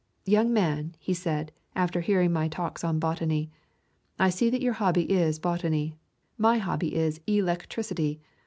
"Young man," he said, after hearing my talks on botany, "I see that your hobby is botany. My hobby is e lec tricity.